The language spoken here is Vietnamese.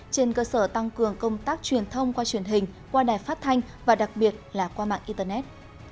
trên cơ sở tăng cường công tác truyền thông qua truyền hình qua đài phát thanh và đặc biệt là qua mạng internet